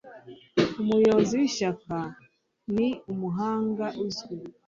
Umuyobozi w'ishyaka ni umuhanga uzwi.